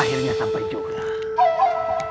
akhirnya sampai juga